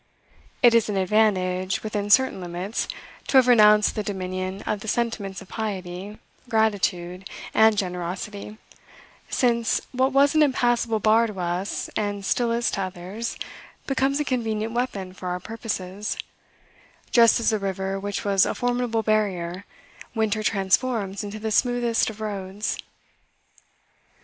It is an advantage, within certain limits, to have renounced the dominion of the sentiments of piety, gratitude, and generosity; since, what was an impassable bar to us, and still is to others, becomes a convenient weapon for our purposes; just as the river which was a formidable barrier, winter transforms into the smoothest of roads.